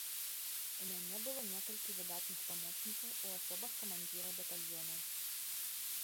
У мяне было некалькі выдатных памочнікаў у асобах камандзіраў батальёнаў.